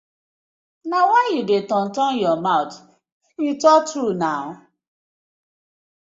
Na why yu dey turn turn for yah mouth, make yu talk true naw.